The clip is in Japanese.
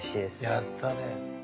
やったね。